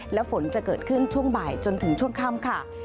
และฝนจะเกิดขึ้นช่วงบ่ายจนถึงช่วงค่ำค่ะ